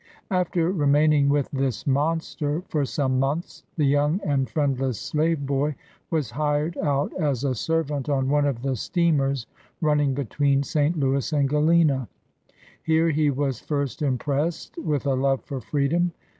After remaining with this monster for some months, the young and friendless slave hoy was hired out as a servant on one of the steamers running between St. Louis and Galena. Here he was first impressed with a love for freedom.